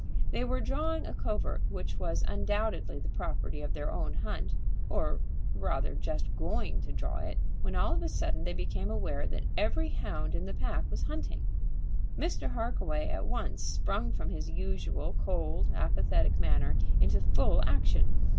They were drawing a covert which was undoubtedly the property of their own hunt, or rather just going to draw it, when all of a sudden they became aware that every hound in the pack was hunting. Mr. Harkaway at once sprung from his usual cold, apathetic manner into full action.